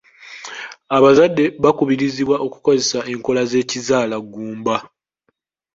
Abazadde bakubirizibwa okukozesa enkola z'ekizaalaggumba.